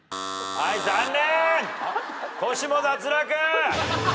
はい残念！